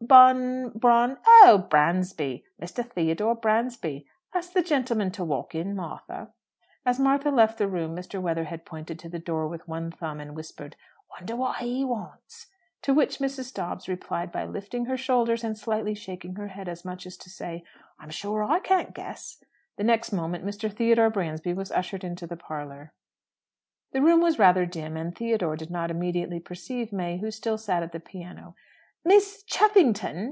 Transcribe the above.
"Bun Brun oh, Bransby! Mr. Theodore Bransby. Ask the gentleman to walk in, Martha." As Martha left the room, Mr. Weatherhead pointed to the door with one thumb, and whispered, "Wonder what he wants!" To which Mrs. Dobbs replied by lifting her shoulders and slightly shaking her head, as much as to say, "I'm sure I can't guess." The next moment Mr. Theodore Bransby was ushered into the parlour. The room was rather dim, and Theodore did not immediately perceive May, who still sat at the piano. "Miss Cheffington?"